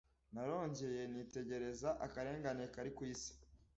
narongeye nitegereza akarengane kari ku isi